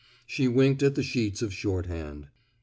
She winked at the sheets of shorthand.